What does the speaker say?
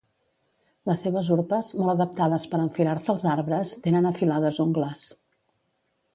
Les seves urpes, molt adaptades per enfilar-se als arbres, tenen afilades ungles.